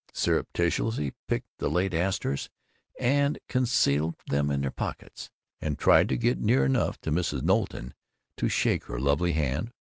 surreptitiously picked the late asters and concealed them in their pockets, and tried to get near enough to Mrs. Knowlton to shake her lovely hand.